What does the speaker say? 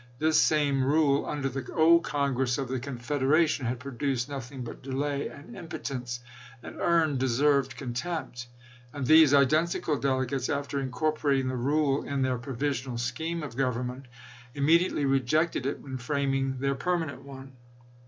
This same rule under the old Congress of the Confederation had produced nothing but delay and impotence, and earned deserved contempt; and these identical delegates, after incorporating the rule in their provisional scheme of government, immediately rejected it when framing their perma nent one.